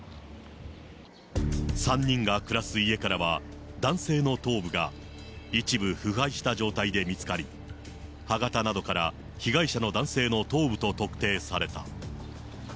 ３人が暮らす家からは、男性の頭部が、一部腐敗した状態で見つかり、歯形などから被害者の男性の頭部と特定された。